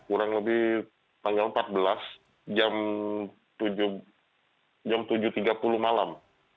kurang lebih tanggal empat belas jam tujuh tiga puluh malam